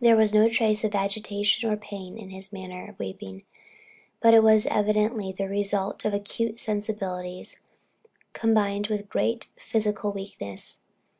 There was no trace of agitation or pain in his manner of weeping, but it was evidently the result of acute sensibilities, combined with great physical weakness.